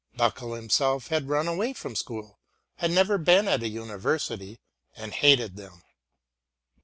Buckle himself had run away from school, had never been at a university, and hated them.